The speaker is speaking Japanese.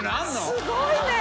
すごいね！